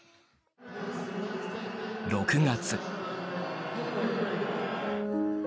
６月。